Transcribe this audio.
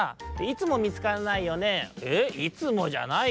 「いつもみつかんないよね」。